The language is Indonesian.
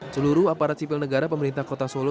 seluruh aparat sipil negara pemerintah kota solo